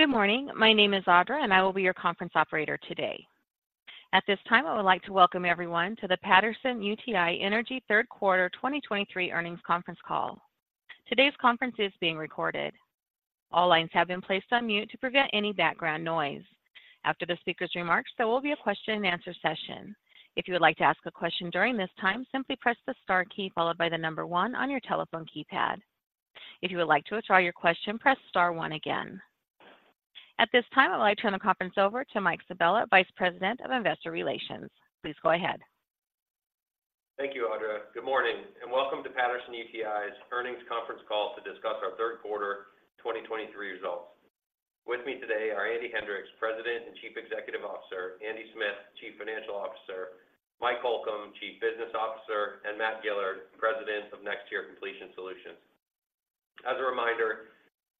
Good morning. My name is Audra, and I will be your conference operator today. At this time, I would like to welcome everyone to the Patterson-UTI Energy Third Quarter 2023 Earnings Conference Call. Today's conference is being recorded. All lines have been placed on mute to prevent any background noise. After the speaker's remarks, there will be a question and answer session. If you would like to ask a question during this time, simply press the star key followed by the number one on your telephone keypad. If you would like to withdraw your question, press star one again. At this time, I would like to turn the conference over to Mike Sabella, Vice President of Investor Relations. Please go ahead. Thank you, Audra. Good morning, and welcome to Patterson-UTI's earnings conference call to discuss our third quarter 2023 results. With me today are Andy Hendricks, President and Chief Executive Officer; Andy Smith, Chief Financial Officer; Mike Holcomb, Chief Business Officer; and Matt Gillard, President of NexTier Completion Solutions. As a reminder,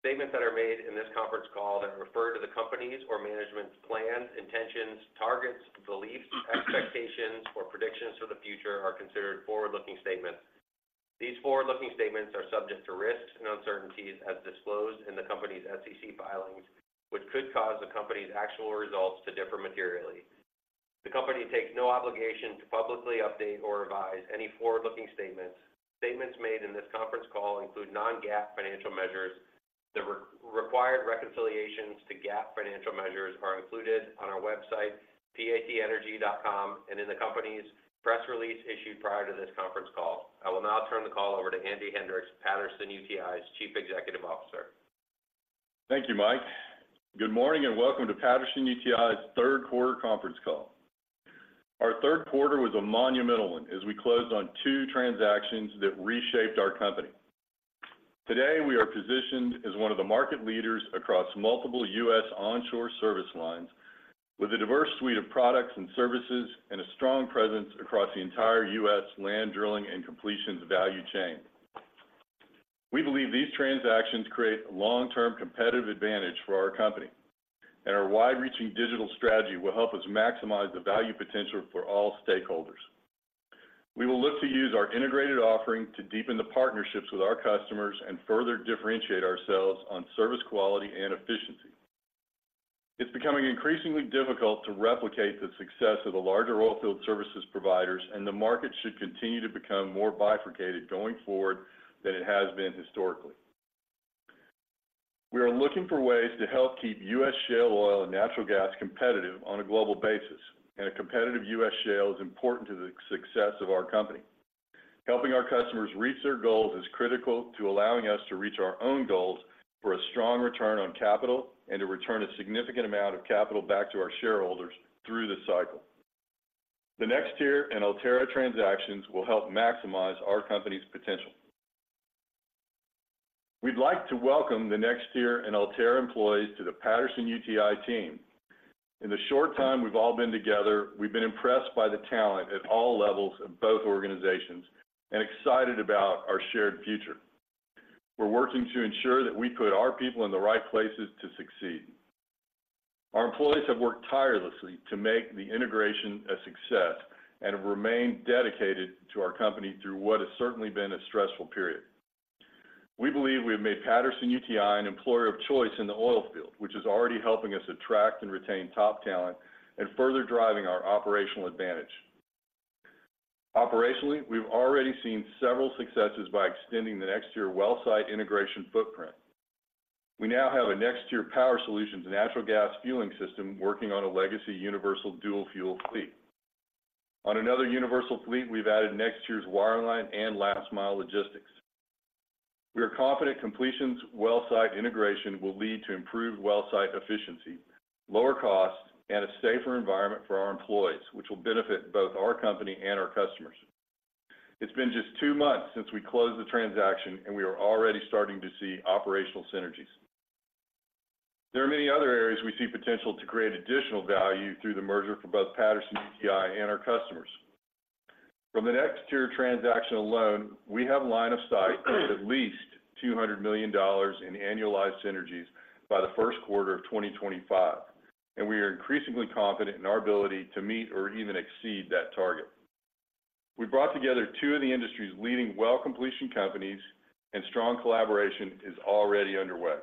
statements that are made in this conference call that refer to the company's or management's plans, intentions, targets, beliefs, expectations, or predictions for the future are considered forward-looking statements. These forward-looking statements are subject to risks and uncertainties as disclosed in the company's SEC filings, which could cause the company's actual results to differ materially. The company takes no obligation to publicly update or revise any forward-looking statements. Statements made in this conference call include non-GAAP financial measures. The required reconciliations to GAAP financial measures are included on our website, patenergy.com, and in the company's press release issued prior to this conference call. I will now turn the call over to Andy Hendricks, Patterson-UTI's Chief Executive Officer. Thank you, Mike. Good morning, and welcome to Patterson-UTI's third quarter conference call. Our third quarter was a monumental one as we closed on two transactions that reshaped our company. Today, we are positioned as one of the market leaders across multiple U.S. onshore service lines with a diverse suite of products and services and a strong presence across the entire U.S. land drilling and completions value chain. We believe these transactions create a long-term competitive advantage for our company, and our wide-reaching digital strategy will help us maximize the value potential for all stakeholders. We will look to use our integrated offering to deepen the partnerships with our customers and further differentiate ourselves on service, quality, and efficiency. It's becoming increasingly difficult to replicate the success of the larger oil field services providers, and the market should continue to become more bifurcated going forward than it has been historically. We are looking for ways to help keep U.S. shale oil and natural gas competitive on a global basis, and a competitive U.S. shale is important to the success of our company. Helping our customers reach their goals is critical to allowing us to reach our own goals for a strong return on capital and to return a significant amount of capital back to our shareholders through this cycle. The NexTier and Ulterra transactions will help maximize our company's potential. We'd like to welcome the NexTier and Ulterra employees to the Patterson-UTI team. In the short time we've all been together, we've been impressed by the talent at all levels of both organizations and excited about our shared future. We're working to ensure that we put our people in the right places to succeed. Our employees have worked tirelessly to make the integration a success and have remained dedicated to our company through what has certainly been a stressful period. We believe we have made Patterson-UTI an employer of choice in the oil field, which is already helping us attract and retain top talent and further driving our operational advantage. Operationally, we've already seen several successes by extending the NexTier well site integration footprint. We now have a NexTier Power Solutions natural gas fueling system working on a legacy Universal dual-fuel fleet. On another Universal fleet, we've added NexTier's wireline and last mile logistics. We are confident completions well site integration will lead to improved well site efficiency, lower costs, and a safer environment for our employees, which will benefit both our company and our customers. It's been just two months since we closed the transaction, and we are already starting to see operational synergies. There are many other areas we see potential to create additional value through the merger for both Patterson-UTI and our customers. From the NexTier transaction alone, we have line of sight of at least $200 million in annualized synergies by the first quarter of 2025, and we are increasingly confident in our ability to meet or even exceed that target. We brought together two of the industry's leading well completion companies, and strong collaboration is already underway.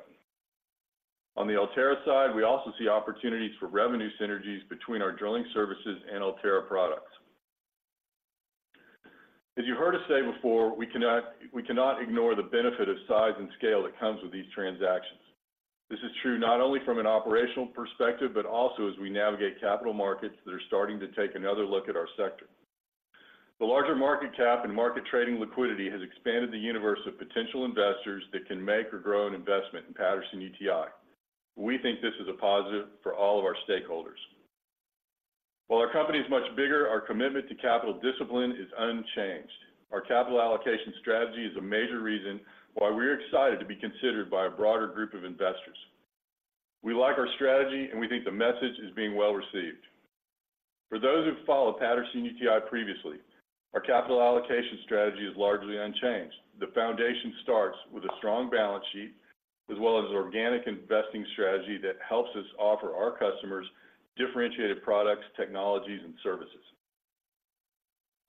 On the Ulterra side, we also see opportunities for revenue synergies between our drilling services and Ulterra products. As you heard us say before, we cannot, we cannot ignore the benefit of size and scale that comes with these transactions. This is true not only from an operational perspective, but also as we navigate capital markets that are starting to take another look at our sector. The larger market cap and market trading liquidity has expanded the universe of potential investors that can make or grow an investment in Patterson-UTI. We think this is a positive for all of our stakeholders. While our company is much bigger, our commitment to capital discipline is unchanged. Our capital allocation strategy is a major reason why we're excited to be considered by a broader group of investors. We like our strategy, and we think the message is being well-received. For those who've followed Patterson-UTI previously, our capital allocation strategy is largely unchanged. The foundation starts with a strong balance sheet, as well as organic investing strategy that helps us offer our customers differentiated products, technologies, and services.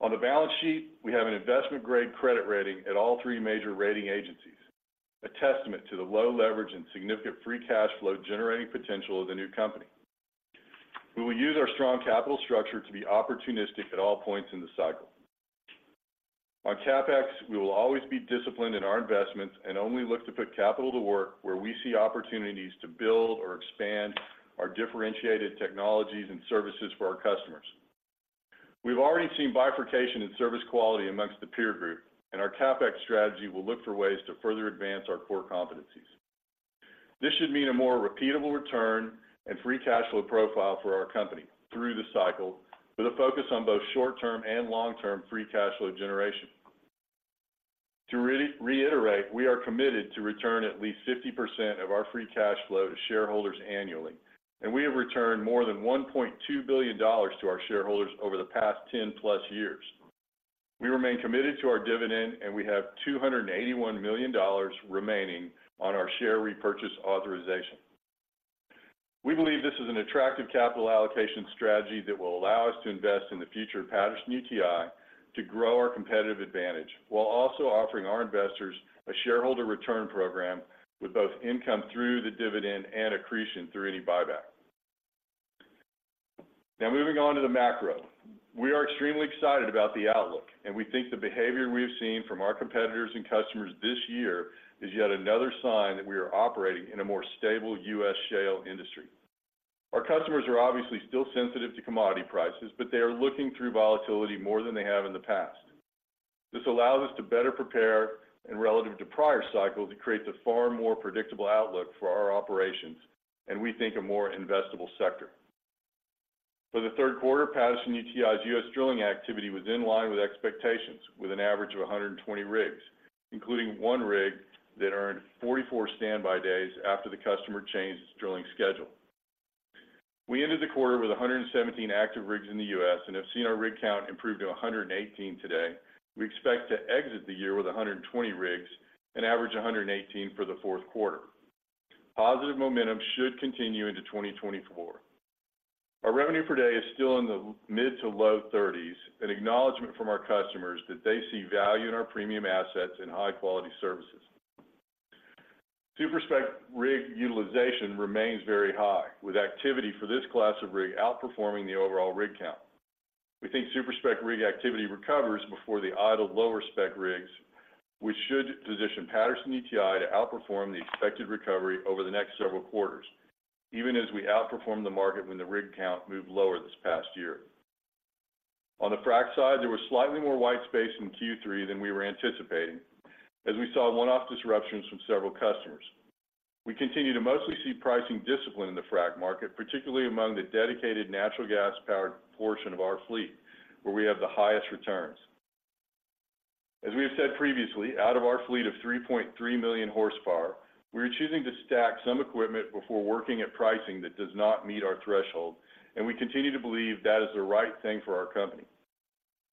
On the balance sheet, we have an investment-grade credit rating at all three major rating agencies, a testament to the low leverage and significant free cash flow generating potential of the new company. We will use our strong capital structure to be opportunistic at all points in the cycle. On CapEx, we will always be disciplined in our investments and only look to put capital to work where we see opportunities to build or expand our differentiated technologies and services for our customers. We've already seen bifurcation in service quality amongst the peer group, and our CapEx strategy will look for ways to further advance our core competencies. This should mean a more repeatable return and free cash flow profile for our company through the cycle, with a focus on both short-term and long-term free cash flow generation. To reiterate, we are committed to return at least 50% of our free cash flow to shareholders annually, and we have returned more than $1.2 billion to our shareholders over the past 10+ years. We remain committed to our dividend, and we have $281 million remaining on our share repurchase authorization. We believe this is an attractive capital allocation strategy that will allow us to invest in the future of Patterson-UTI to grow our competitive advantage, while also offering our investors a shareholder return program with both income through the dividend and accretion through any buyback. Now, moving on to the macro. We are extremely excited about the outlook, and we think the behavior we've seen from our competitors and customers this year is yet another sign that we are operating in a more stable U.S. shale industry. Our customers are obviously still sensitive to commodity prices, but they are looking through volatility more than they have in the past. This allows us to better prepare, and relative to prior cycles, it creates a far more predictable outlook for our operations, and we think a more investable sector. For the third quarter, Patterson-UTI's U.S. drilling activity was in line with expectations, with an average of 120 rigs, including one rig that earned 44 standby days after the customer changed its drilling schedule. We ended the quarter with 117 active rigs in the U.S. and have seen our rig count improve to 118 today. We expect to exit the year with 120 rigs and average 118 for the fourth quarter. Positive momentum should continue into 2024. Our revenue per day is still in the mid- to low-30s, an acknowledgment from our customers that they see value in our premium assets and high-quality services. Super-spec rig utilization remains very high, with activity for this class of rig outperforming the overall rig count. We think super-spec rig activity recovers before the idled lower-spec rigs, which should position Patterson-UTI to outperform the expected recovery over the next several quarters, even as we outperformed the market when the rig count moved lower this past year. On the frac side, there was slightly more white space in Q3 than we were anticipating, as we saw one-off disruptions from several customers. We continue to mostly see pricing discipline in the frac market, particularly among the dedicated natural gas powered portion of our fleet, where we have the highest returns. As we have said previously, out of our fleet of 3.3 million horsepower, we are choosing to stack some equipment before working at pricing that does not meet our threshold, and we continue to believe that is the right thing for our company.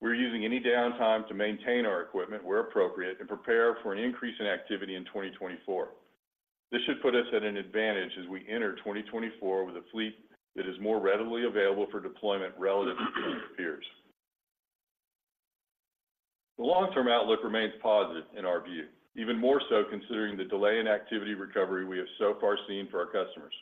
We're using any downtime to maintain our equipment, where appropriate, and prepare for an increase in activity in 2024. This should put us at an advantage as we enter 2024 with a fleet that is more readily available for deployment relative to our peers. The long-term outlook remains positive in our view, even more so considering the delay in activity recovery we have so far seen for our customers.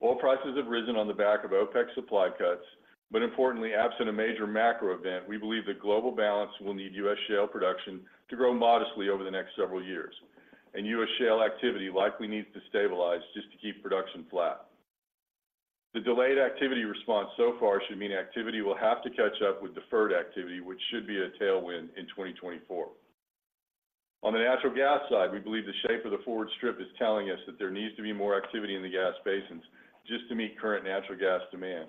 Oil prices have risen on the back of OPEC supply cuts, but importantly, absent a major macro event, we believe the global balance will need U.S. shale production to grow modestly over the next several years. U.S. shale activity likely needs to stabilize just to keep production flat. The delayed activity response so far should mean activity will have to catch up with deferred activity, which should be a tailwind in 2024. On the natural gas side, we believe the shape of the forward strip is telling us that there needs to be more activity in the gas basins just to meet current natural gas demand.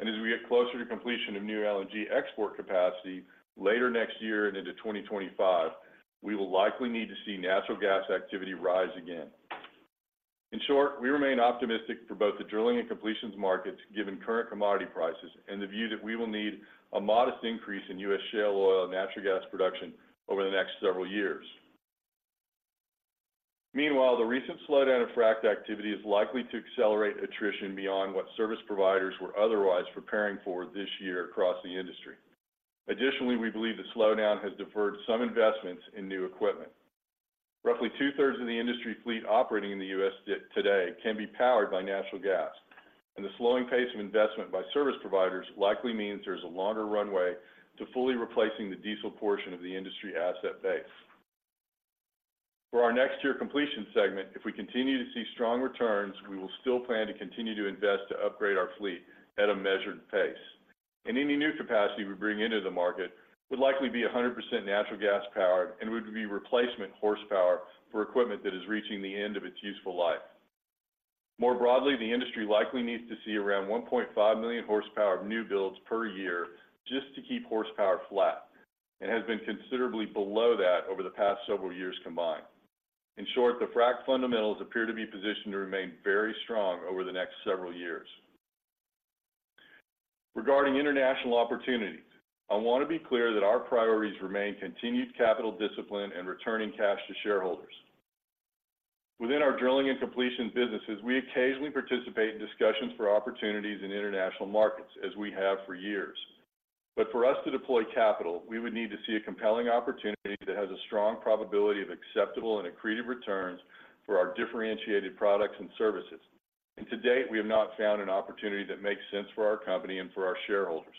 As we get closer to completion of new LNG export capacity later next year and into 2025, we will likely need to see natural gas activity rise again. In short, we remain optimistic for both the drilling and completions markets, given current commodity prices and the view that we will need a modest increase in U.S. shale oil and natural gas production over the next several years. Meanwhile, the recent slowdown of fracked activity is likely to accelerate attrition beyond what service providers were otherwise preparing for this year across the industry. Additionally, we believe the slowdown has deferred some investments in new equipment. Roughly 2/3 of the industry fleet operating in the U.S. today can be powered by natural gas, and the slowing pace of investment by service providers likely means there's a longer runway to fully replacing the diesel portion of the industry asset base. For our next year completion segment, if we continue to see strong returns, we will still plan to continue to invest to upgrade our fleet at a measured pace. Any new capacity we bring into the market would likely be 100% natural gas powered and would be replacement horsepower for equipment that is reaching the end of its useful life. More broadly, the industry likely needs to see around 1.5 million horsepower of new builds per year just to keep horsepower flat, and has been considerably below that over the past several years combined. In short, the frac fundamentals appear to be positioned to remain very strong over the next several years. Regarding international opportunity, I want to be clear that our priorities remain continued capital discipline and returning cash to shareholders.... Within our drilling and completion businesses, we occasionally participate in discussions for opportunities in international markets, as we have for years. But for us to deploy capital, we would need to see a compelling opportunity that has a strong probability of acceptable and accretive returns for our differentiated products and services. And to date, we have not found an opportunity that makes sense for our company and for our shareholders.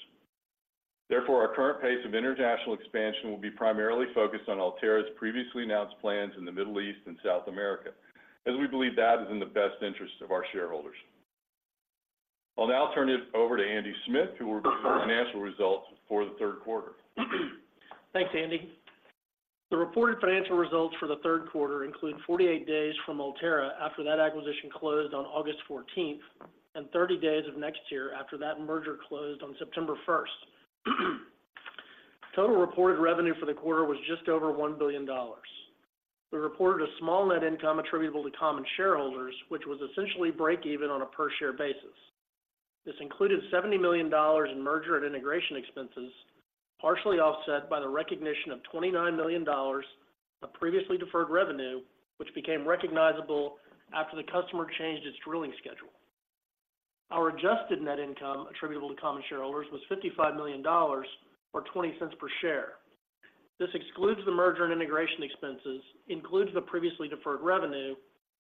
Therefore, our current pace of international expansion will be primarily focused on Ulterra's previously announced plans in the Middle East and South America, as we believe that is in the best interest of our shareholders. I'll now turn it over to Andy Smith, who will discuss financial results for the third quarter. Thanks, Andy. The reported financial results for the third quarter include 48 days from Ulterra after that acquisition closed on August 14th and 30 days of NexTier, after that merger closed on September 1st. Total reported revenue for the quarter was just over $1 billion. We reported a small net income attributable to common shareholders, which was essentially break even on a per share basis. This included $70 million in merger and integration expenses, partially offset by the recognition of $29 million of previously deferred revenue, which became recognizable after the customer changed its drilling schedule. Our adjusted net income attributable to common shareholders was $55 million, or $0.20 per share. This excludes the merger and integration expenses, includes the previously deferred revenue,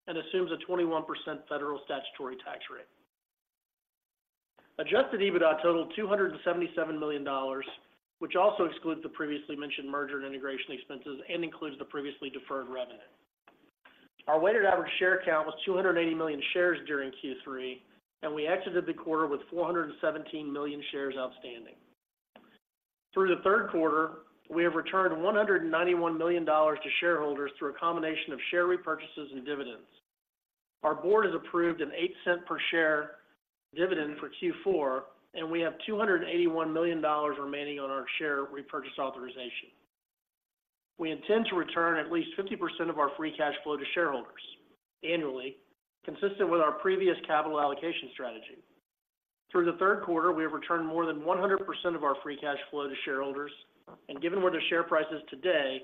and assumes a 21% federal statutory tax rate. Adjusted EBITDA totaled $277 million, which also excludes the previously mentioned merger and integration expenses, and includes the previously deferred revenue. Our weighted average share count was 280 million shares during Q3, and we exited the quarter with 417 million shares outstanding. Through the third quarter, we have returned $191 million to shareholders through a combination of share repurchases and dividends. Our board has approved an 8-cent per share dividend for Q4, and we have $281 million remaining on our share repurchase authorization. We intend to return at least 50% of our free cash flow to shareholders annually, consistent with our previous capital allocation strategy. Through the third quarter, we have returned more than 100% of our free cash flow to shareholders, and given where the share price is today,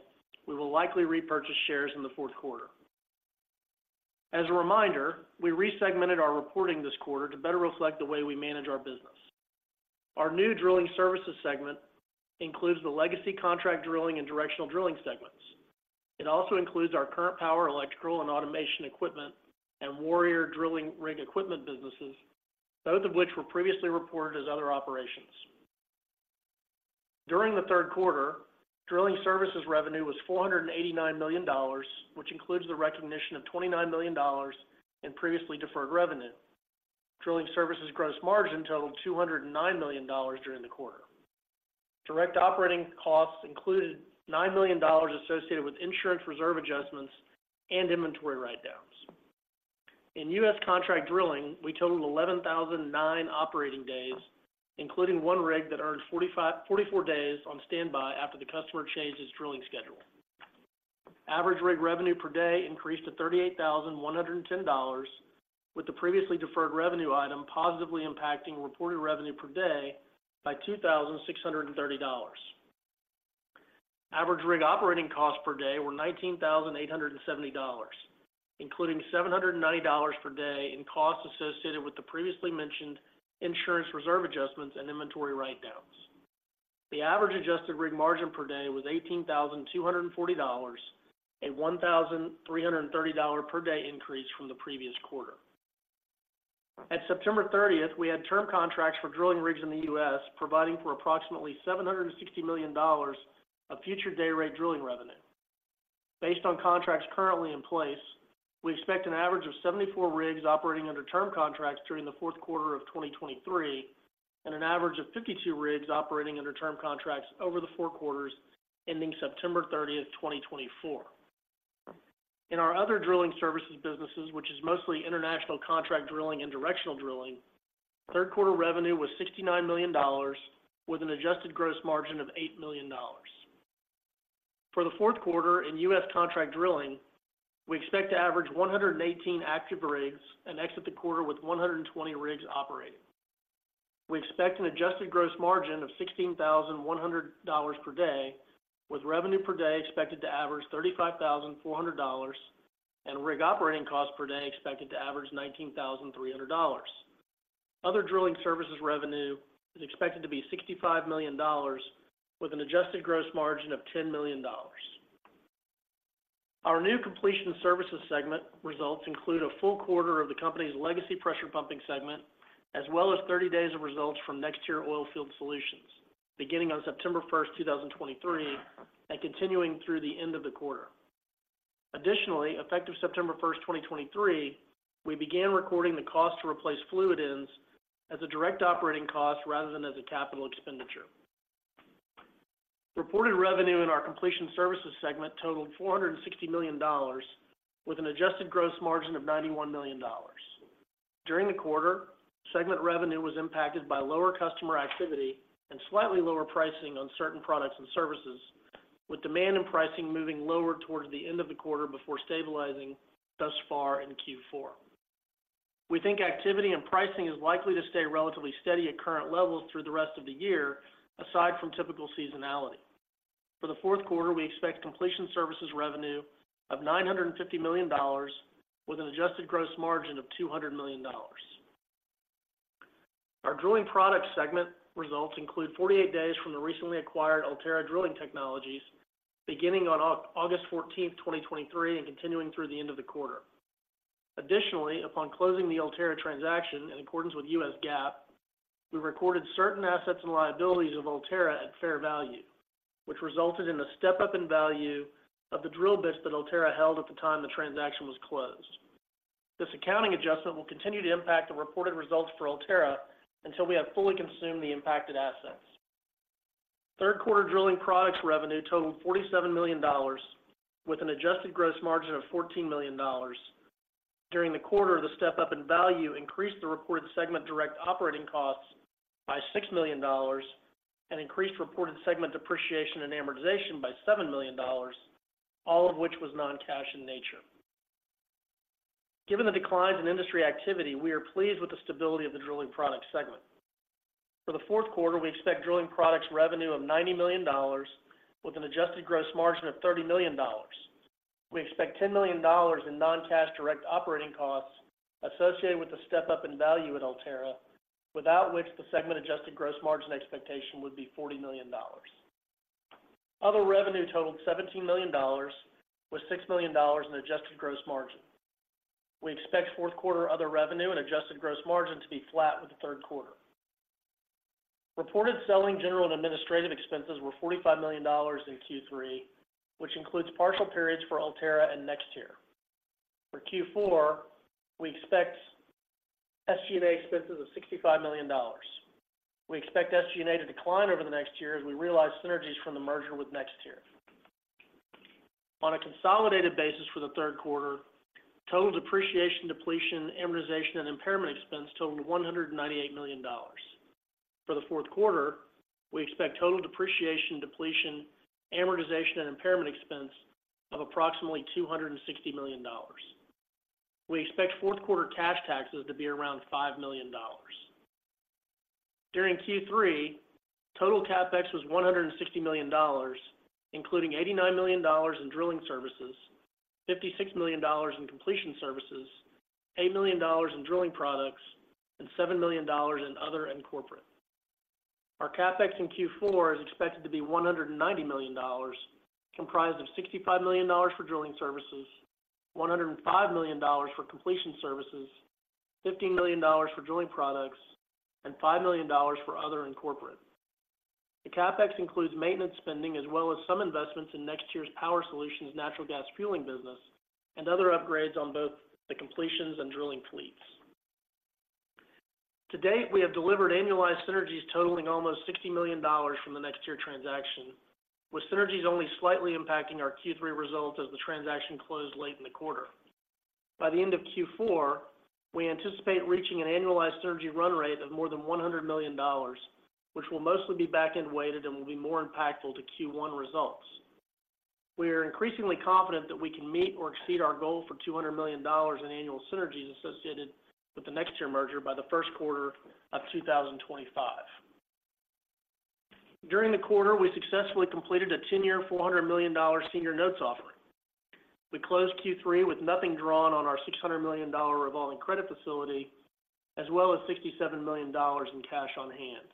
we will likely repurchase shares in the fourth quarter. As a reminder, we resegmented our reporting this quarter to better reflect the way we manage our business. Our new drilling services segment includes the legacy contract drilling and directional drilling segments. It also includes our Current Power, electrical, and automation equipment, and Warrior drilling rig equipment businesses, both of which were previously reported as other operations. During the third quarter, drilling services revenue was $489 million, which includes the recognition of $29 million in previously deferred revenue. Drilling services gross margin totaled $209 million during the quarter. Direct operating costs included $9 million associated with insurance reserve adjustments and inventory write-downs. In U.S. contract drilling, we totaled 11,009 operating days, including one rig that earned 44 days on standby after the customer changed its drilling schedule. Average rig revenue per day increased to $38,110, with the previously deferred revenue item positively impacting reported revenue per day by $2,630. Average rig operating costs per day were $19,870, including $790 per day in costs associated with the previously mentioned insurance reserve adjustments and inventory write-downs. The average adjusted rig margin per day was $18,240, a $1,330 per day increase from the previous quarter. At September 30th, we had term contracts for drilling rigs in the U.S., providing for approximately $760 million of future day rate drilling revenue. Based on contracts currently in place, we expect an average of 74 rigs operating under term contracts during the fourth quarter of 2023, and an average of 52 rigs operating under term contracts over the four quarters ending September 30th, 2024. In our other drilling services businesses, which is mostly international contract drilling and directional drilling, third quarter revenue was $69 million, with an adjusted gross margin of $8 million. For the fourth quarter in U.S. contract drilling, we expect to average 118 active rigs and exit the quarter with 120 rigs operating. We expect an adjusted gross margin of $16,100 per day, with revenue per day expected to average $35,400, and rig operating costs per day expected to average $19,300. Other drilling services revenue is expected to be $65 million, with an adjusted gross margin of $10 million. Our new completion services segment results include a full quarter of the company's legacy pressure pumping segment, as well as 30 days of results from NexTier Oilfield Solutions, beginning on September 1, 2023, and continuing through the end of the quarter. Additionally, effective September 1st, 2023, we began recording the cost to replace fluid ends as a direct operating cost rather than as a capital expenditure. Reported revenue in our completion services segment totaled $460 million, with an adjusted gross margin of $91 million. During the quarter, segment revenue was impacted by lower customer activity and slightly lower pricing on certain products and services, with demand and pricing moving lower towards the end of the quarter before stabilizing thus far in Q4.... We think activity and pricing is likely to stay relatively steady at current levels through the rest of the year, aside from typical seasonality. For the fourth quarter, we expect completion services revenue of $950 million, with an adjusted gross margin of $200 million. Our drilling product segment results include 48 days from the recently acquired Ulterra Drilling Technologies, beginning on August 14, 2023, and continuing through the end of the quarter. Additionally, upon closing the Ulterra transaction, in accordance with U.S. GAAP, we recorded certain assets and liabilities of Ulterra at fair value, which resulted in a step-up in value of the drill bits that Ulterra held at the time the transaction was closed. This accounting adjustment will continue to impact the reported results for Ulterra until we have fully consumed the impacted assets. Third quarter drilling products revenue totaled $47 million, with an adjusted gross margin of $14 million. During the quarter, the step-up in value increased the reported segment direct operating costs by $6 million and increased reported segment depreciation and amortization by $7 million, all of which was non-cash in nature. Given the declines in industry activity, we are pleased with the stability of the drilling product segment. For the fourth quarter, we expect drilling products revenue of $90 million, with an adjusted gross margin of $30 million. We expect $10 million in non-cash direct operating costs associated with the step-up in value at Ulterra, without which the segment adjusted gross margin expectation would be $40 million. Other revenue totaled $17 million, with $6 million in adjusted gross margin. We expect fourth quarter other revenue and adjusted gross margin to be flat with the third quarter. Reported selling, general, and administrative expenses were $45 million in Q3, which includes partial periods for Ulterra and NexTier. For Q4, we expect SG&A expenses of $65 million. We expect SG&A to decline over the next year as we realize synergies from the merger with NexTier. On a consolidated basis for the third quarter, total depreciation, depletion, amortization, and impairment expense totaled $198 million. For the fourth quarter, we expect total depreciation, depletion, amortization, and impairment expense of approximately $260 million. We expect fourth quarter cash taxes to be around $5 million. During Q3, total CapEx was $160 million, including $89 million in drilling services, $56 million in completion services, $8 million in drilling products, and $7 million in other and corporate. Our CapEx in Q4 is expected to be $190 million, comprised of $65 million for drilling services, $105 million for completion services, $15 million for drilling products, and $5 million for other and corporate. The CapEx includes maintenance spending, as well as some investments in NexTier's Power Solutions, natural gas fueling business, and other upgrades on both the completions and drilling fleets. To date, we have delivered annualized synergies totaling almost $60 million from the NexTier transaction, with synergies only slightly impacting our Q3 results as the transaction closed late in the quarter. By the end of Q4, we anticipate reaching an annualized synergy run rate of more than $100 million, which will mostly be back-end weighted and will be more impactful to Q1 results. We are increasingly confident that we can meet or exceed our goal for $200 million in annual synergies associated with the NexTier merger by the first quarter of 2025. During the quarter, we successfully completed a 10-year, $400 million-dollar senior notes offering. We closed Q3 with nothing drawn on our $600 million revolving credit facility, as well as $67 million in cash on hand.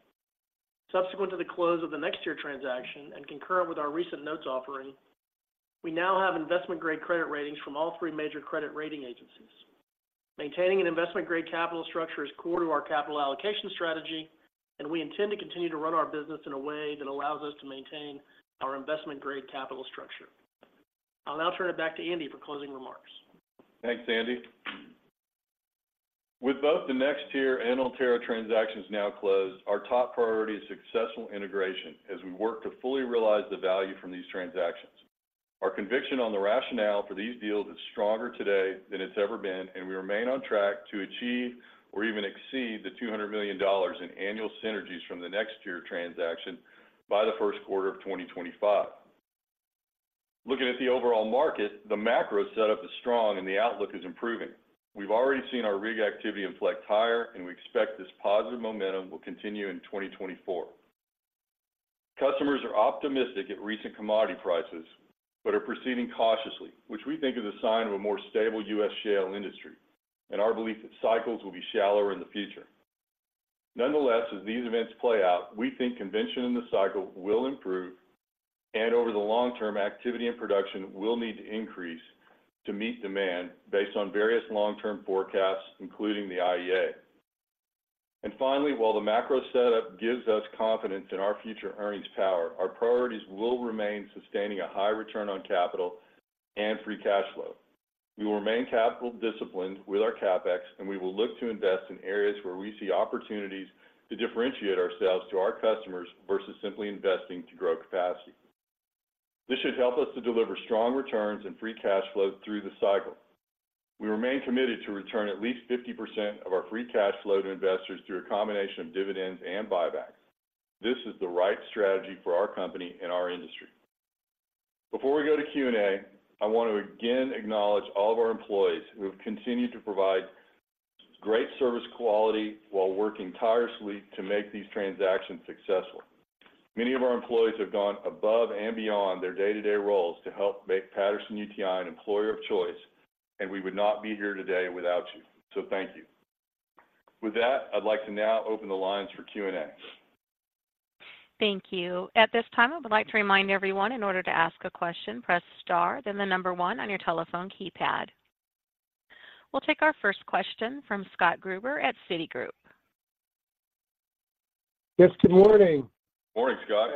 Subsequent to the close of the NexTier transaction and concurrent with our recent notes offering, we now have investment-grade credit ratings from all three major credit rating agencies. Maintaining an investment-grade capital structure is core to our capital allocation strategy, and we intend to continue to run our business in a way that allows us to maintain our investment-grade capital structure. I'll now turn it back to Andy for closing remarks. Thanks, Andy. With both the NexTier and Ulterra transactions now closed, our top priority is successful integration as we work to fully realize the value from these transactions. Our conviction on the rationale for these deals is stronger today than it's ever been, and we remain on track to achieve or even exceed $200 million in annual synergies from the NexTier transaction by the first quarter of 2025. Looking at the overall market, the macro setup is strong and the outlook is improving. We've already seen our rig activity inflect higher, and we expect this positive momentum will continue in 2024. Customers are optimistic at recent commodity prices, but are proceeding cautiously, which we think is a sign of a more stable U.S. shale industry and our belief that cycles will be shallower in the future. Nonetheless, as these events play out, we think confidence in the cycle will improve, and over the long term, activity and production will need to increase to meet demand based on various long-term forecasts, including the IEA. Finally, while the macro setup gives us confidence in our future earnings power, our priorities will remain sustaining a high return on capital and free cash flow. We will remain capital disciplined with our CapEx, and we will look to invest in areas where we see opportunities to differentiate ourselves to our customers versus simply investing to grow capacity. This should help us to deliver strong returns and free cash flow through the cycle. We remain committed to return at least 50% of our free cash flow to investors through a combination of dividends and buybacks. This is the right strategy for our company and our industry. Before we go to Q&A, I want to again acknowledge all of our employees who have continued to provide great service quality while working tirelessly to make these transactions successful. Many of our employees have gone above and beyond their day-to-day roles to help make Patterson-UTI an employer of choice, and we would not be here today without you, so thank you. With that, I'd like to now open the lines for Q&A. Thank you. At this time, I would like to remind everyone, in order to ask a question, press star, then the number one on your telephone keypad. We'll take our first question from Scott Gruber at Citigroup. Yes, good morning. Morning, Scott.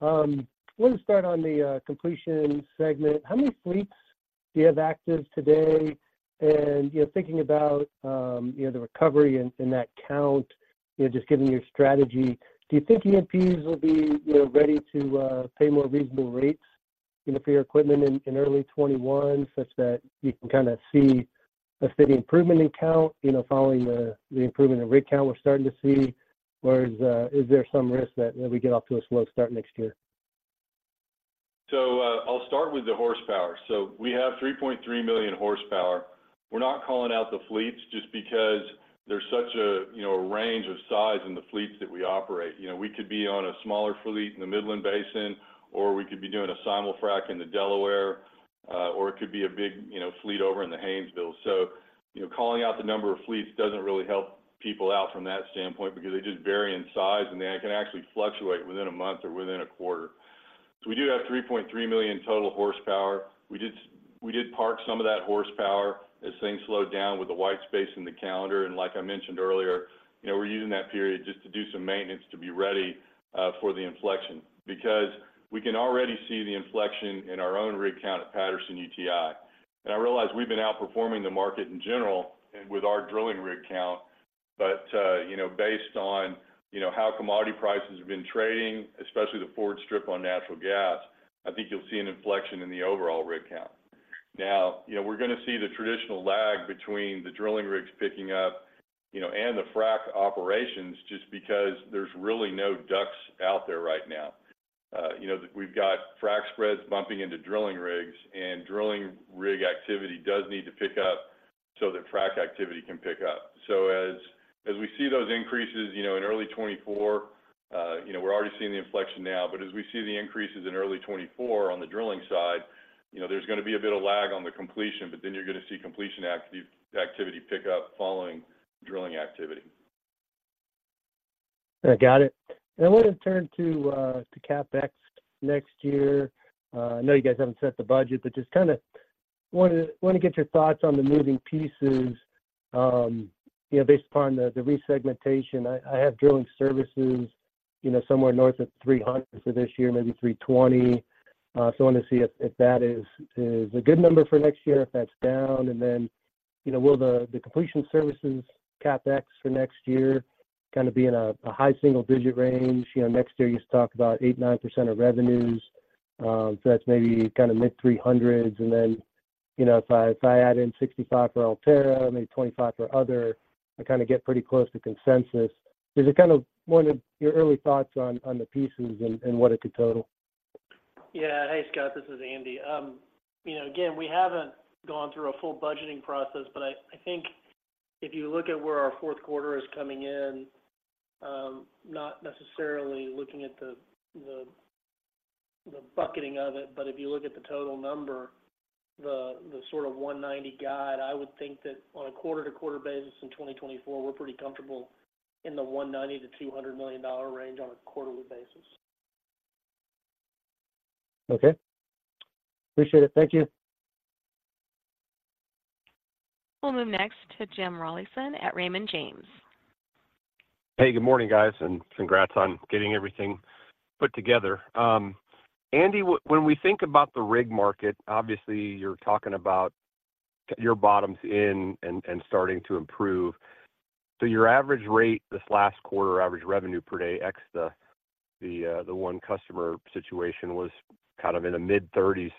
I want to start on the completion segment. How many fleets do you have active today? And, you know, thinking about, you know, the recovery and that count, you know, just given your strategy, do you think E&Ps will be, you know, ready to pay more reasonable rates, you know, for your equipment in early 2021, such that you can kind of see a steady improvement in count, you know, following the improvement in rig count we're starting to see? Whereas, is there some risk that, you know, we get off to a slow start next year? So, I'll start with the horsepower. So we have 3.3 million horsepower. We're not calling out the fleets just because there's such a, you know, a range of size in the fleets that we operate. You know, we could be on a smaller fleet in the Midland Basin, or we could be doing a simul-frac in the Delaware, or it could be a big, you know, fleet over in the Haynesville. So, you know, calling out the number of fleets doesn't really help people out from that standpoint because they just vary in size, and they can actually fluctuate within a month or within a quarter. So we do have 3.3 million total horsepower. We did, we did park some of that horsepower as things slowed down with the white space in the calendar. And like I mentioned earlier, you know, we're using that period just to do some maintenance to be ready for the inflection. Because we can already see the inflection in our own rig count at Patterson-UTI. And I realize we've been outperforming the market in general and with our drilling rig count, but you know, based on, you know, how commodity prices have been trading, especially the forward strip on natural gas, I think you'll see an inflection in the overall rig count. Now, you know, we're gonna see the traditional lag between the drilling rigs picking up, you know, and the frac operations, just because there's really no DUCs out there right now. You know, we've got frac spreads bumping into drilling rigs, and drilling rig activity does need to pick up so that frac activity can pick up. So as we see those increases, you know, in early 2024, you know, we're already seeing the inflection now, but as we see the increases in early 2024 on the drilling side, you know, there's gonna be a bit of lag on the completion, but then you're gonna see completion activity pick up following drilling activity. I got it. And I want to turn to, to CapEx next year. I know you guys haven't set the budget, but just kind of want to, want to get your thoughts on the moving pieces, you know, based upon the, the resegmentation. I, I have drilling services, you know, somewhere north of $300 for this year, maybe $320. So I want to see if, if that is, is a good number for next year, if that's down. And then, you know, will the, the completion services CapEx for next year kind of be in a, a high single-digit range? You know, next year, you talked about 8%-9% of revenues, so that's maybe kind of mid $300s. And then, you know, if I, if I add in $65 for Ulterra, maybe $25 for other, I kind of get pretty close to consensus. Is it kind of... Wanted your early thoughts on, on the pieces and, and what it could total? Yeah. Hey, Scott, this is Andy. You know, again, we haven't gone through a full budgeting process, but I think if you look at where our fourth quarter is coming in, not necessarily looking at the bucketing of it, but if you look at the total number, the sort of $190 guide, I would think that on a quarter-to-quarter basis in 2024, we're pretty comfortable in the $190-$200 million range on a quarterly basis. Okay. Appreciate it. Thank you. We'll move next to Jim Rollyson at Raymond James. Hey, good morning, guys, and congrats on getting everything put together. Andy, when we think about the rig market, obviously, you're talking about your bottom's in and starting to improve. So your average rate this last quarter, average revenue per day, ex the one customer situation, was kind of in the mid-30s,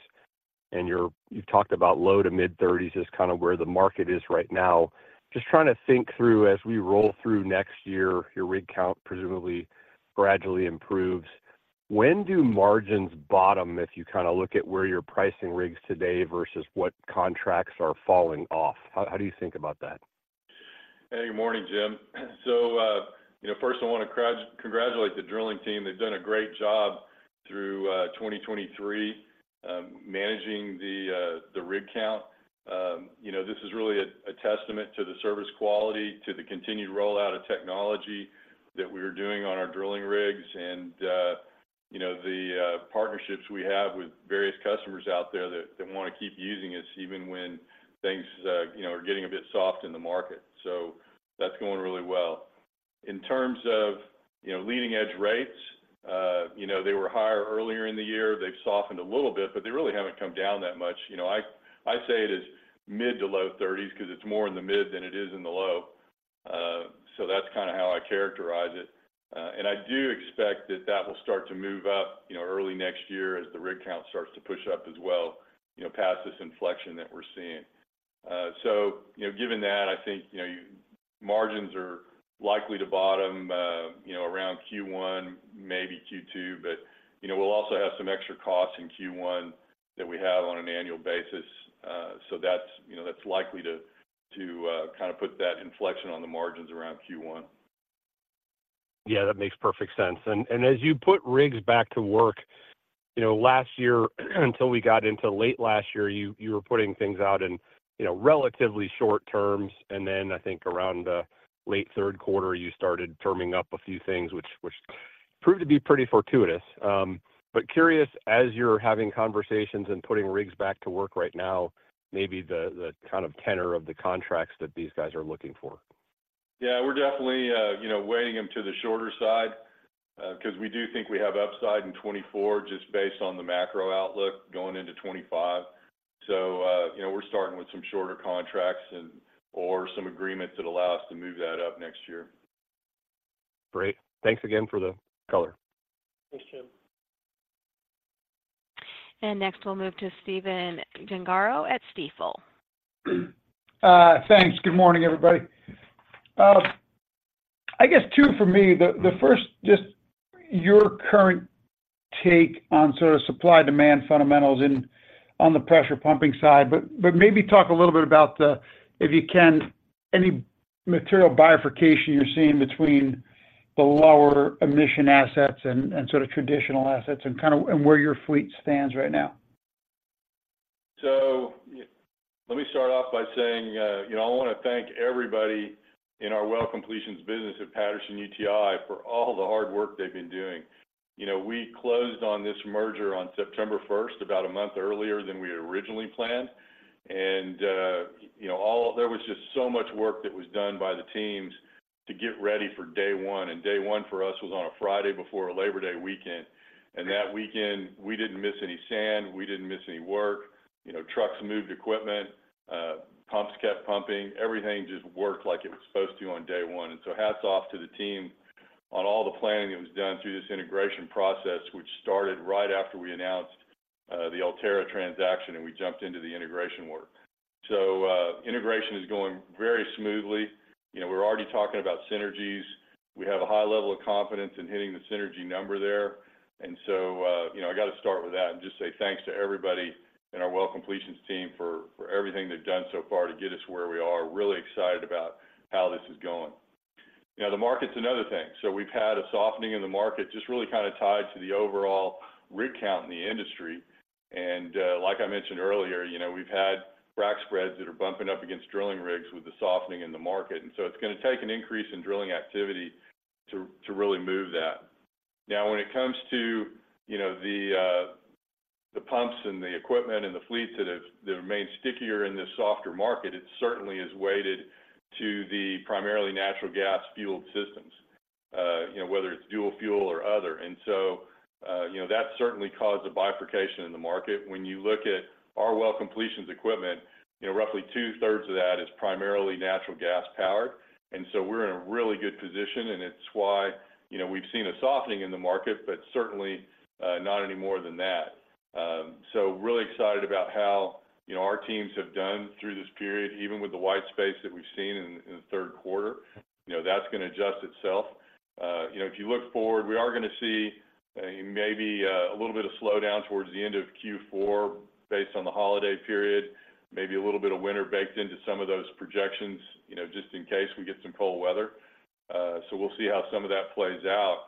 and you've talked about low to mid-30s as kind of where the market is right now. Just trying to think through, as we roll through next year, your rig count presumably gradually improves. When do margins bottom, if you kind of look at where you're pricing rigs today versus what contracts are falling off? How do you think about that? Hey, good morning, Jim. So, you know, first, I want to congratulate the drilling team. They've done a great job through 2023, managing the rig count. You know, this is really a testament to the service quality, to the continued rollout of technology that we are doing on our drilling rigs, and, you know, the partnerships we have with various customers out there that want to keep using us, even when things, you know, are getting a bit soft in the market. So that's going really well. In terms of, you know, leading-edge rates, you know, they were higher earlier in the year. They've softened a little bit, but they really haven't come down that much. You know, I'd say it is mid to low thirties because it's more in the mid than it is in the low. So that's kind of how I characterize it. And I do expect that that will start to move up, you know, early next year as the rig count starts to push up as well, you know, past this inflection that we're seeing. So, you know, given that, I think, you know, margins are likely to bottom, you know, around Q1, maybe Q2. But, you know, we'll also have some extra costs in Q1 that we have on an annual basis. So that's, you know, that's likely to, to, kind of put that inflection on the margins around Q1. Yeah, that makes perfect sense. And as you put rigs back to work, you know, last year, until we got into late last year, you were putting things out in, you know, relatively short terms. And then I think around late third quarter, you started firming up a few things, which proved to be pretty fortuitous. But curious, as you're having conversations and putting rigs back to work right now, maybe the kind of tenor of the contracts that these guys are looking for. Yeah, we're definitely, you know, weighing them to the shorter side, 'cause we do think we have upside in 2024, just based on the macro outlook going into 2025. So, you know, we're starting with some shorter contracts and or some agreements that allow us to move that up next year. Great. Thanks again for the color. Thanks, Jim. And next, we'll move to Stephen Gengaro at Stifel. Thanks. Good morning, everybody. I guess two for me. The first, just your current take on sort of supply-demand fundamentals on the pressure pumping side. But maybe talk a little bit about the, if you can, any material bifurcation you're seeing between the lower emission assets and sort of traditional assets, and where your fleet stands right now. So, let me start off by saying, you know, I wanna thank everybody in our well completions business at Patterson-UTI for all the hard work they've been doing. You know, we closed on this merger on September 1st, about a month earlier than we had originally planned. And, you know, there was just so much work that was done by the teams to get ready for day one, and day one for us was on a Friday before a Labor Day weekend. And that weekend, we didn't miss any sand, we didn't miss any work. You know, trucks moved equipment, pumps kept pumping. Everything just worked like it was supposed to on day one. And so hats off to the team on all the planning that was done through this integration process, which started right after we announced the Ulterra transaction, and we jumped into the integration work. So, integration is going very smoothly. You know, we're already talking about synergies. We have a high level of confidence in hitting the synergy number there. And so, you know, I got to start with that and just say thanks to everybody in our well completions team for everything they've done so far to get us where we are. Really excited about how this is going. You know, the market's another thing. So we've had a softening in the market, just really kind of tied to the overall rig count in the industry. Like I mentioned earlier, you know, we've had frac spreads that are bumping up against drilling rigs with the softening in the market. So it's gonna take an increase in drilling activity to really move that. Now, when it comes to, you know, the pumps and the equipment and the fleets that have remained stickier in this softer market, it certainly is weighted to the primarily natural gas-fueled systems, you know, whether it's dual fuel or other. So, you know, that's certainly caused a bifurcation in the market. When you look at our well completions equipment, you know, roughly two-thirds of that is primarily natural gas powered. So we're in a really good position, and it's why, you know, we've seen a softening in the market, but certainly not any more than that. So really excited about how, you know, our teams have done through this period, even with the white space that we've seen in the third quarter. You know, that's gonna adjust itself. You know, if you look forward, we are gonna see maybe a little bit of slowdown towards the end of Q4, based on the holiday period, maybe a little bit of winter baked into some of those projections, you know, just in case we get some cold weather. So we'll see how some of that plays out.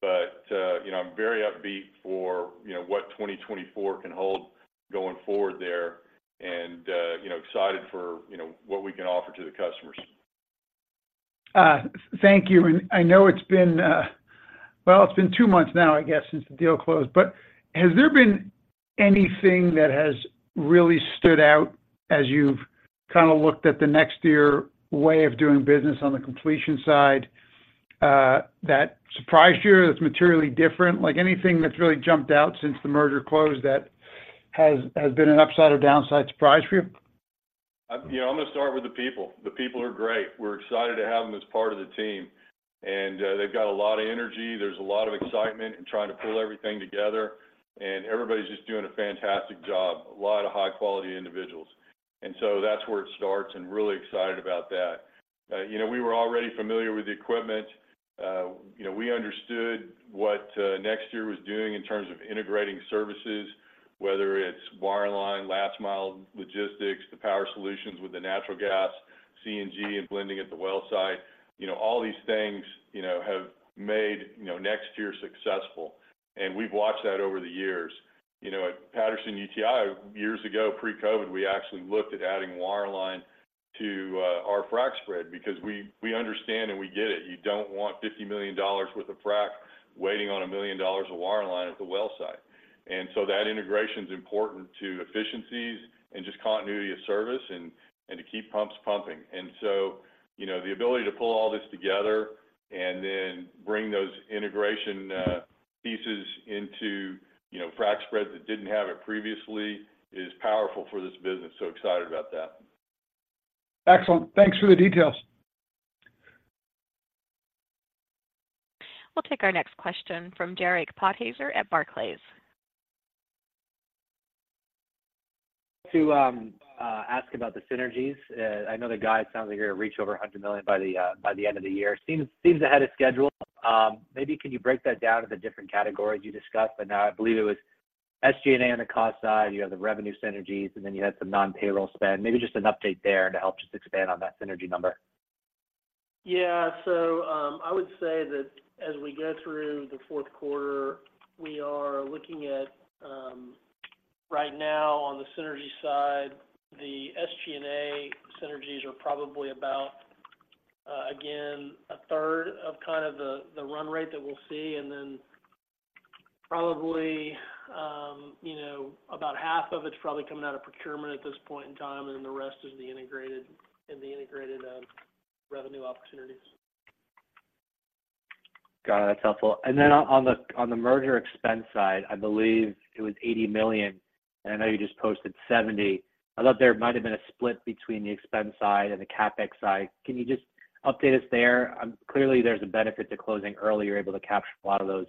But, you know, I'm very upbeat for, you know, what 2024 can hold going forward there, and, you know, excited for, you know, what we can offer to the customers. Thank you. And I know it's been. Well, it's been two months now, I guess, since the deal closed. But has there been anything that has really stood out as you've kind of looked at the next year way of doing business on the completion side, that surprised you, that's materially different? Like, anything that's really jumped out since the merger closed that has been an upside or downside surprise for you? You know, I'm gonna start with the people. The people are great. We're excited to have them as part of the team, and they've got a lot of energy. There's a lot of excitement in trying to pull everything together, and everybody's just doing a fantastic job. A lot of high-quality individuals. And so that's where it starts, and really excited about that. You know, we were already familiar with the equipment. You know, we understood what NexTier was doing in terms of integrating services, whether it's wireline, last mile logistics, the Power Solutions with the natural gas, CNG and blending at the well site. You know, all these things have made NexTier successful, and we've watched that over the years. You know, at Patterson-UTI, years ago, pre-COVID, we actually looked at adding wireline to our frac spread because we, we understand and we get it. You don't want $50 million worth of frac waiting on $1 million of wireline at the well site. And so that integration is important to efficiencies and just continuity of service and, and to keep pumps pumping. And so, you know, the ability to pull all this together and then bring those integration pieces into, you know, frac spreads that didn't have it previously, is powerful for this business. So excited about that. Excellent. Thanks for the details. We'll take our next question from Derek Podhaizer at Barclays. To ask about the synergies. I know the guide sounds like you're gonna reach over $100 million by the end of the year. Seems ahead of schedule. Maybe can you break that down to the different categories you discussed? But now I believe it was SG&A on the cost side, you have the revenue synergies, and then you had some non-payroll spend. Maybe just an update there to help just expand on that synergy number. Yeah. So, I would say that as we go through the fourth quarter, we are looking at right now on the synergy side, the SG&A synergies are probably about, again, a third of kind of the run rate that we'll see. And then probably, you know, about half of it's probably coming out of procurement at this point in time, and then the rest is the integrated revenue opportunities. Got it. That's helpful. And then on the merger expense side, I believe it was $80 million, and I know you just posted $70 million. I thought there might have been a split between the expense side and the CapEx side. Can you just update us there? Clearly, there's a benefit to closing early. You're able to capture a lot of those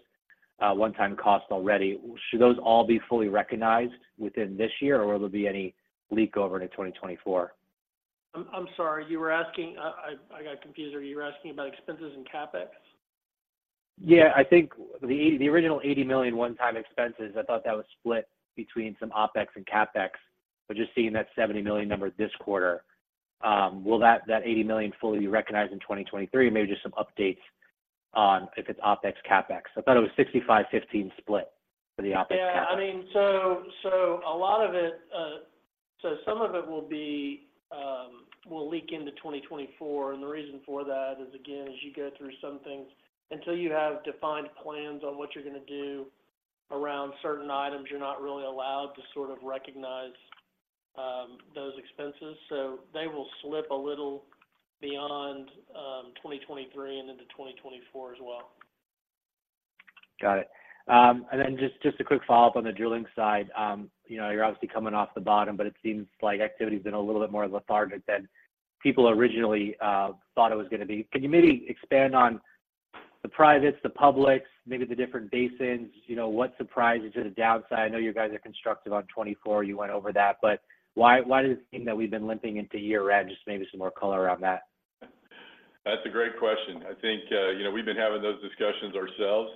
one-time costs already. Should those all be fully recognized within this year, or will there be any leak over into 2024? I'm sorry, you were asking... I got confused. Are you asking about expenses and CapEx? Yeah. I think the original $80 million one-time expenses, I thought that was split between some OpEx and CapEx, but just seeing that $70 million number this quarter, will that $80 million fully be recognized in 2023? And maybe just some updates on if it's OpEx, CapEx. I thought it was 65-15 split for the OpEx, CapEx. Yeah. I mean, so, so a lot of it. So some of it will be will leak into 2024, and the reason for that is, again, as you go through some things, until you have defined plans on what you're gonna do around certain items, you're not really allowed to sort of recognize those expenses. So they will slip a little beyond 2023 and into 2024 as well. Got it. And then just, just a quick follow-up on the drilling side. You know, you're obviously coming off the bottom, but it seems like activity has been a little bit more lethargic than people originally thought it was gonna be. Can you maybe expand on the privates, the publics, maybe the different basins? You know, what surprises are the downside? I know you guys are constructive on 2024, you went over that, but why, why does it seem that we've been limping into year-end? Just maybe some more color around that. That's a great question. I think, you know, we've been having those discussions ourselves,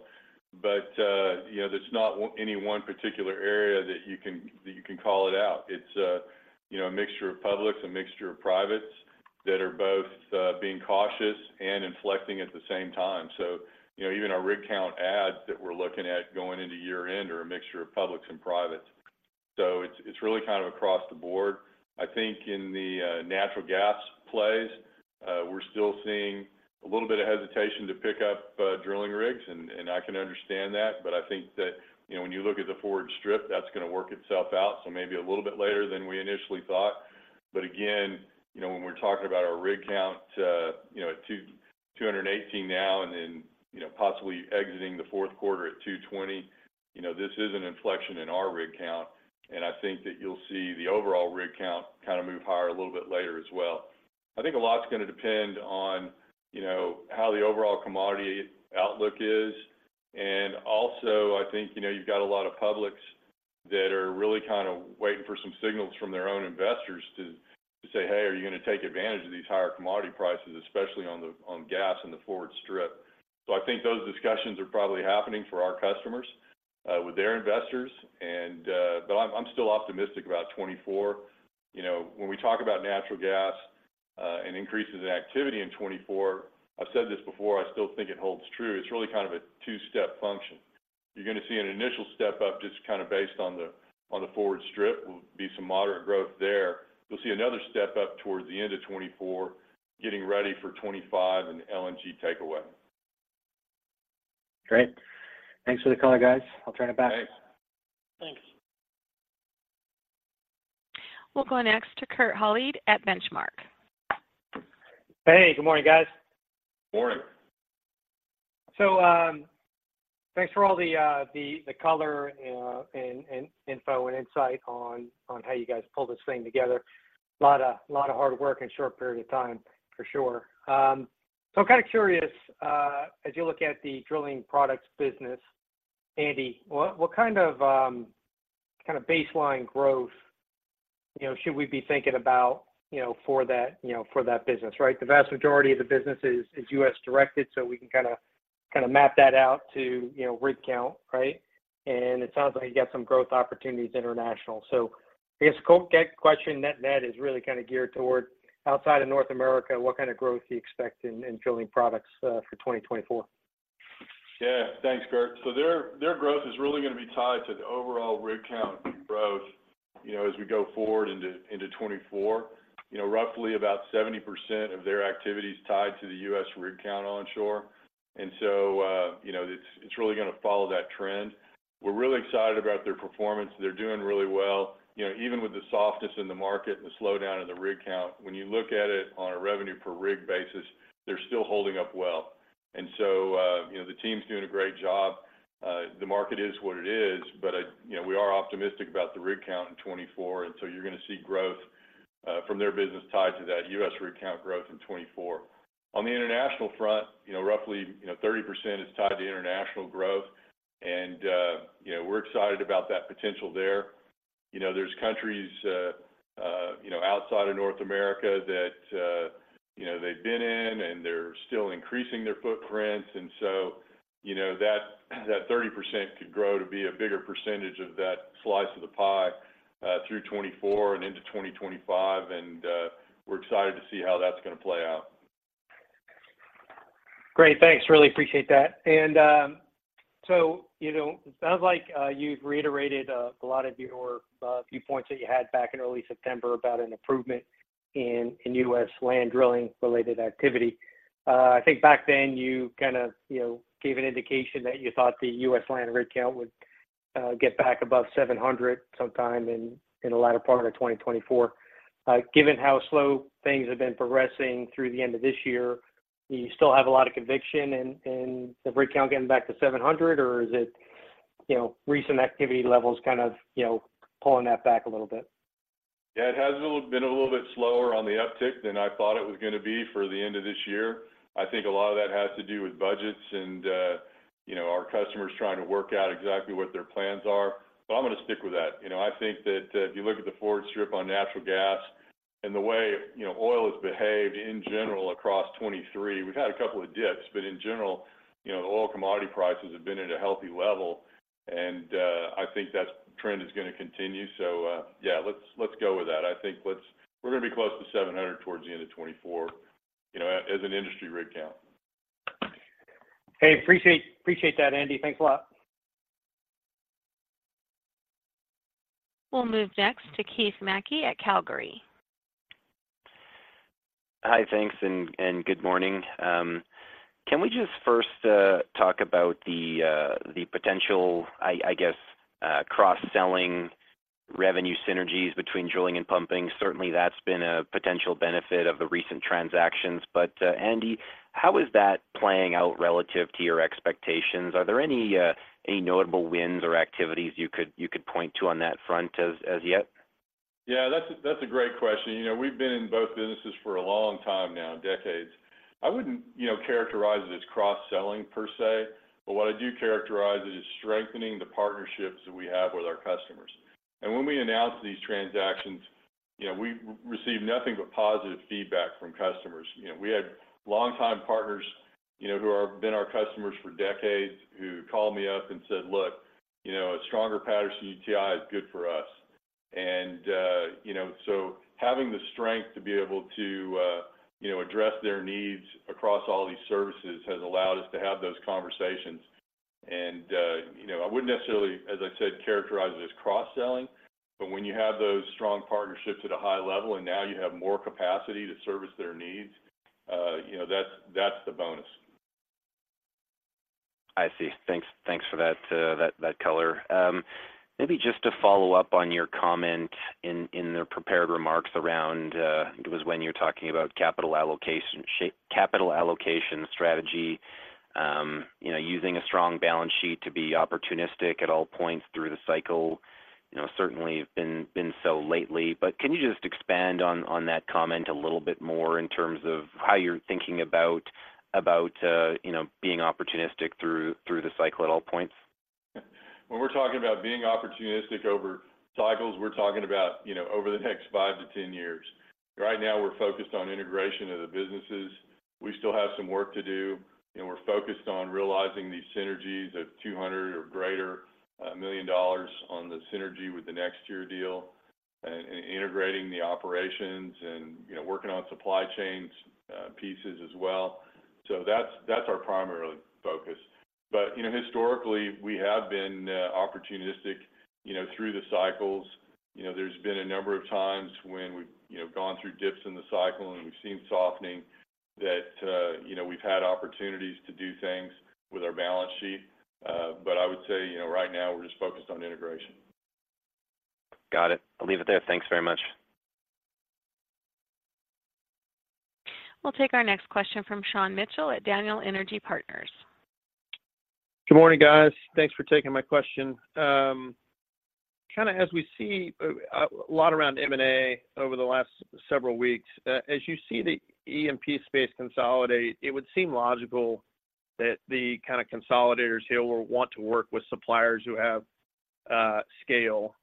but, you know, there's not any one particular area that you can, that you can call it out. It's, you know, a mixture of publics, a mixture of privates, that are both, being cautious and inflecting at the same time. So, you know, even our rig count adds that we're looking at going into year-end are a mixture of publics and privates. So it's, it's really kind of across the board. I think in the, natural gas plays, we're still seeing a little bit of hesitation to pick up, drilling rigs, and, and I can understand that. But I think that, you know, when you look at the forward strip, that's gonna work itself out, so maybe a little bit later than we initially thought. But again, you know, when we're talking about our rig count, you know, at 218 now, and then, you know, possibly exiting the fourth quarter at 220, you know, this is an inflection in our rig count, and I think that you'll see the overall rig count kind of move higher a little bit later as well. I think a lot's gonna depend on, you know, how the overall commodity outlook is. And also, I think, you know, you've got a lot of publics that are really kind of waiting for some signals from their own investors to, to say, "Hey, are you gonna take advantage of these higher commodity prices, especially on the, on gas and the forward strip?" So I think those discussions are probably happening for our customers, with their investors. And, but I'm, I'm still optimistic about 2024. You know, when we talk about natural gas and increases in activity in 2024, I've said this before, I still think it holds true, it's really kind of a two-step function. You're gonna see an initial step up, just kind of based on the forward strip. Will be some moderate growth there. You'll see another step up towards the end of 2024, getting ready for 2025 and the LNG takeaway. Great. Thanks for the call, guys. I'll turn it back. Thanks. Thanks. We'll go next to Kurt Hallead at Benchmark. Hey, good morning, guys. Morning. So, thanks for all the color and info and insight on how you guys pulled this thing together. Lot of hard work in a short period of time, for sure. So I'm kind of curious, as you look at the drilling products business, Andy, what kind of baseline growth, you know, should we be thinking about, you know, for that business, right? The vast majority of the business is U.S.-directed, so we can kinda map that out to, you know, rig count, right? And it sounds like you got some growth opportunities internationally. So I guess that question net-net is really kind of geared toward, outside of North America, what kind of growth do you expect in drilling products for 2024? Yeah. Thanks, Kurt. So their growth is really gonna be tied to the overall rig count growth, you know, as we go forward into 2024. You know, roughly about 70% of their activity is tied to the U.S. rig count onshore. And so, you know, it's really gonna follow that trend. We're really excited about their performance. They're doing really well. You know, even with the softness in the market and the slowdown in the rig count, when you look at it on a revenue per rig basis, they're still holding up well. And so, you know, the team's doing a great job. The market is what it is, but I... You know, we are optimistic about the rig count in 2024, and so you're gonna see growth... from their business tied to that U.S. rig count growth in 2024. On the international front, you know, roughly, you know, 30% is tied to international growth, and you know, we're excited about that potential there. You know, there's countries you know, outside of North America that you know, they've been in, and they're still increasing their footprints. And so, you know, that, that 30% could grow to be a bigger percentage of that slice of the pie through 2024 and into 2025, and we're excited to see how that's gonna play out. Great. Thanks. Really appreciate that. And, so, you know, it sounds like, you've reiterated, a lot of your, viewpoints that you had back in early September about an improvement in U.S. land drilling-related activity. I think back then you kind of, you know, gave an indication that you thought the U.S. land rig count would, get back above 700 sometime in, the latter part of 2024. Given how slow things have been progressing through the end of this year, do you still have a lot of conviction in, the rig count getting back to 700, or is it, you know, recent activity levels kind of, you know, pulling that back a little bit? Yeah, it has been a little bit slower on the uptick than I thought it was gonna be for the end of this year. I think a lot of that has to do with budgets and, you know, our customers trying to work out exactly what their plans are, but I'm gonna stick with that. You know, I think that, if you look at the forward strip on natural gas and the way, you know, oil has behaved in general across 2023, we've had a couple of dips, but in general, you know, oil commodity prices have been at a healthy level, and, I think that trend is gonna continue. So, yeah, let's go with that. I think we're gonna be close to 700 towards the end of 2024, you know, as an industry rig count. Hey, appreciate that, Andy. Thanks a lot. We'll move next to Keith Mackey at Calgary. Hi, thanks, and good morning. Can we just first talk about the potential, I guess, cross-selling revenue synergies between drilling and pumping? Certainly, that's been a potential benefit of the recent transactions. But, Andy, how is that playing out relative to your expectations? Are there any notable wins or activities you could point to on that front as yet? Yeah, that's a, that's a great question. You know, we've been in both businesses for a long time now, decades. I wouldn't, you know, characterize it as cross-selling per se, but what I do characterize it is strengthening the partnerships that we have with our customers. And when we announced these transactions, you know, we received nothing but positive feedback from customers. You know, we had longtime partners, you know, who have been our customers for decades, who called me up and said, "Look, you know, a stronger Patterson-UTI is good for us." And, you know, so having the strength to be able to, you know, address their needs across all these services has allowed us to have those conversations. You know, I wouldn't necessarily, as I said, characterize it as cross-selling, but when you have those strong partnerships at a high level and now you have more capacity to service their needs, you know, that's, that's the bonus. I see. Thanks for that color. Maybe just to follow up on your comment in the prepared remarks around... It was when you were talking about capital allocation strategy. You know, using a strong balance sheet to be opportunistic at all points through the cycle, you know, certainly have been so lately. But can you just expand on that comment a little bit more in terms of how you're thinking about, you know, being opportunistic through the cycle at all points? When we're talking about being opportunistic over cycles, we're talking about, you know, over the next five-10 years. Right now, we're focused on integration of the businesses. We still have some work to do, and we're focused on realizing these synergies of $200 million or greater on the synergy with the NexTier deal, and integrating the operations and, you know, working on supply chains, pieces as well. So that's, that's our primary focus. But, you know, historically, we have been, opportunistic, you know, through the cycles. You know, there's been a number of times when we've, you know, gone through dips in the cycle, and we've seen softening that, you know, we've had opportunities to do things with our balance sheet. But I would say, you know, right now, we're just focused on integration. Got it. I'll leave it there. Thanks very much. We'll take our next question from Sean Mitchell at Daniel Energy Partners. Good morning, guys. Thanks for taking my question. Kind of as we see a lot around M&A over the last several weeks, as you see the E&P space consolidate, it would seem logical that the kind of consolidators here will want to work with suppliers who have scale.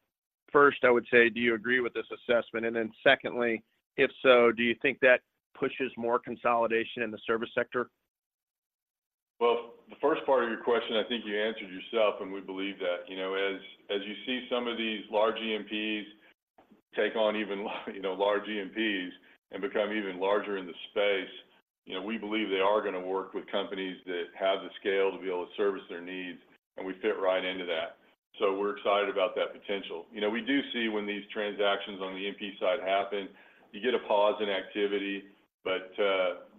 First, I would say, do you agree with this assessment? And then secondly, if so, do you think that pushes more consolidation in the service sector? Well, the first part of your question, I think you answered yourself, and we believe that. You know, as, as you see some of these large E&Ps take on even you know, large E&Ps and become even larger in the space, you know, we believe they are gonna work with companies that have the scale to be able to service their needs, and we fit right into that. So we're excited about that potential. You know, we do see when these transactions on the E&P side happen, you get a pause in activity, but,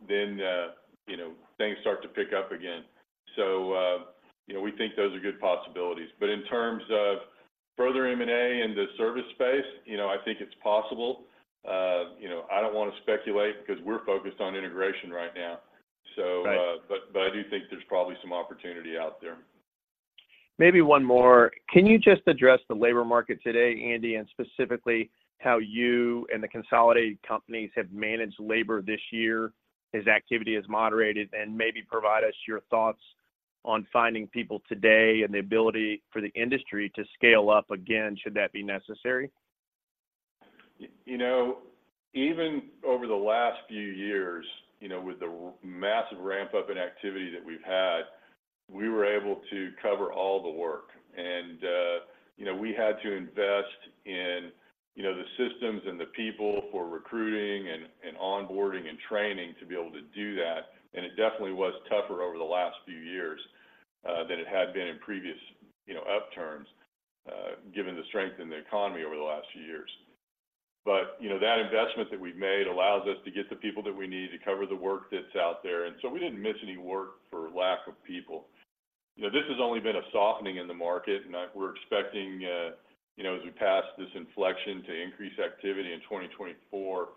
then, you know, things start to pick up again. So, you know, we think those are good possibilities. But in terms of further M&A in the service space, you know, I think it's possible. You know, I don't wanna speculate because we're focused on integration right now. Right. I do think there's probably some opportunity out there. Maybe one more. Can you just address the labor market today, Andy, and specifically how you and the consolidated companies have managed labor this year as activity has moderated? And maybe provide us your thoughts on finding people today and the ability for the industry to scale up again, should that be necessary? You know, even over the last few years, you know, with the massive ramp-up in activity that we've had, we were able to cover all the work. And you know, we had to invest in, you know, the systems and the people for recruiting, and onboarding, and training to be able to do that. And it definitely was tougher over the last few years than it had been in previous, you know, upturns given the strength in the economy over the last few years. But you know, that investment that we've made allows us to get the people that we need to cover the work that's out there, and so we didn't miss any work for lack of people. You know, this has only been a softening in the market, and we're expecting, you know, as we pass this inflection, to increase activity in 2024.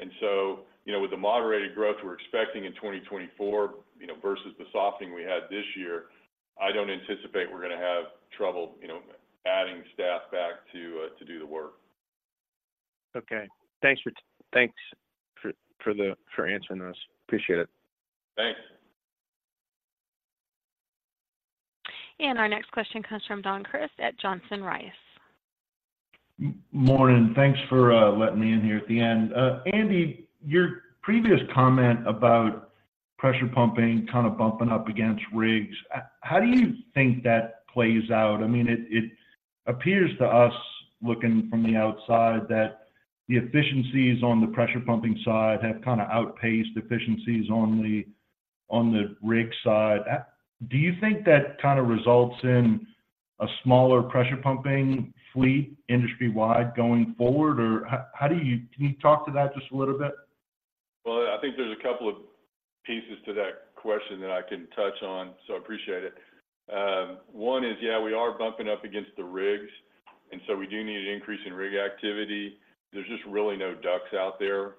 And so, you know, with the moderated growth we're expecting in 2024, you know, versus the softening we had this year, I don't anticipate we're gonna have trouble, you know, adding staff back to do the work. Okay. Thanks for answering this. Appreciate it. Thanks. Our next question comes from Don Crist at Johnson Rice. Morning, thanks for letting me in here at the end. Andy, your previous comment about pressure pumping kind of bumping up against rigs, how do you think that plays out? I mean, it appears to us, looking from the outside, that the efficiencies on the pressure pumping side have kind of outpaced efficiencies on the rig side. Do you think that kind of results in a smaller pressure pumping fleet industry-wide going forward, or how do you... Can you talk to that just a little bit? Well, I think there's a couple of pieces to that question that I can touch on, so I appreciate it. One is, yeah, we are bumping up against the rigs, and so we do need an increase in rig activity. There's just really no DUCs out there,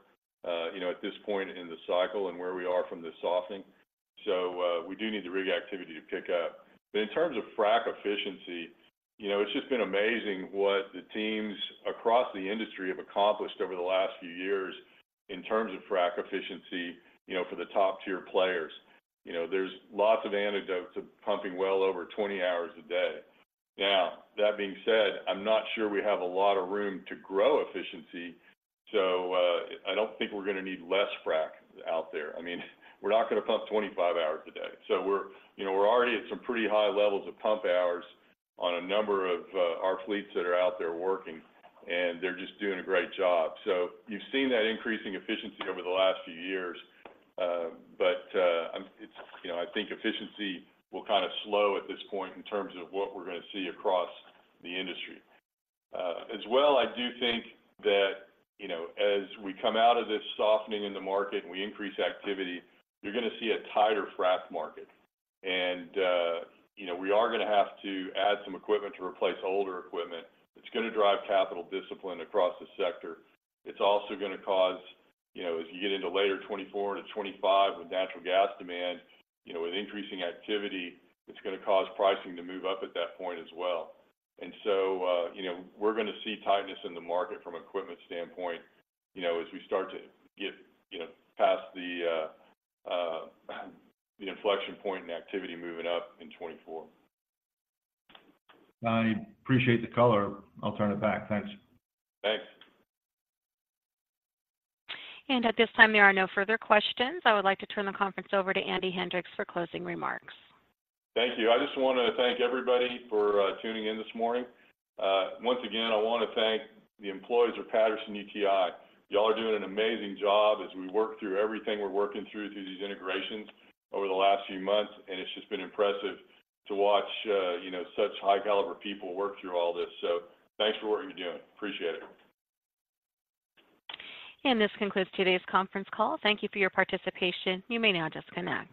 you know, at this point in the cycle and where we are from the softening, so, we do need the rig activity to pick up. But in terms of frac efficiency, you know, it's just been amazing what the teams across the industry have accomplished over the last few years in terms of frac efficiency, you know, for the top-tier players. You know, there's lots of anecdotes of pumping well over 20 hours a day. Now, that being said, I'm not sure we have a lot of room to grow efficiency, so, I don't think we're gonna need less frac out there. I mean, we're not gonna pump 25 hours a day. So we're, you know, we're already at some pretty high levels of pump hours on a number of our fleets that are out there working, and they're just doing a great job. So you've seen that increasing efficiency over the last few years, but, it's, you know, I think efficiency will kind of slow at this point in terms of what we're gonna see across the industry. As well, I do think that, you know, as we come out of this softening in the market and we increase activity, you're gonna see a tighter frac market. And, you know, we are gonna have to add some equipment to replace older equipment. It's gonna drive capital discipline across the sector. It's also gonna cause, you know, as you get into later 2024 to 2025, with natural gas demand, you know, with increasing activity, it's gonna cause pricing to move up at that point as well. And so, you know, we're gonna see tightness in the market from equipment standpoint, you know, as we start to get, you know, past the, the inflection point and activity moving up in 2024. I appreciate the color. I'll turn it back. Thanks. Thanks. At this time, there are no further questions. I would like to turn the conference over to Andy Hendricks for closing remarks. Thank you. I just want to thank everybody for tuning in this morning. Once again, I want to thank the employees of Patterson-UTI. Y'all are doing an amazing job as we work through everything we're working through through these integrations over the last few months, and it's just been impressive to watch, you know, such high-caliber people work through all this. So thanks for what you're doing. Appreciate it. This concludes today's conference call. Thank you for your participation. You may now disconnect.